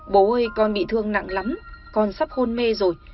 bố ơi con bị thương nặng lắm con sắp hôn mê rồi